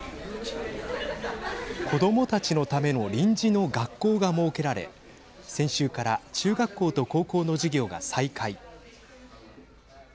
子どもたちのための臨時の学校が設けられ先週から中学校と高校の授業が再開。